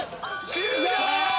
終了！